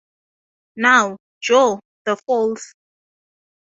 Now, Joe, the fowls.